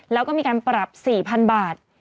แล้วก็มีการปรับ๔๐๐๐บาท